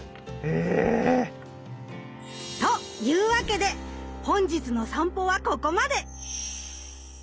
え！というわけで本日のさんぽはここまで！